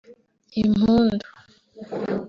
impundu